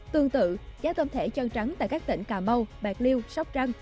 tương tự giá tâm thể chân trắng tại các tỉnh cà mau bạc liêu sóc răng